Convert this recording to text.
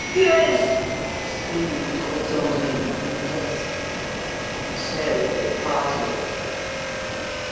"Gueuse!" screamed Alexandrine from the desk. And so they parted.